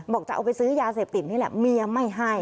จะเอาไปซื้อยาเสพติดนี่แหละเมียไม่ให้